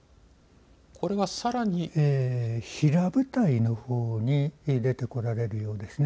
さらに平舞台のほうに出てこられるようですね。